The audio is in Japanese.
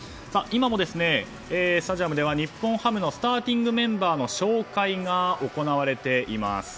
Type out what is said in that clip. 今もスタジアムでは日本ハムのスターティングメンバーの紹介が行われています。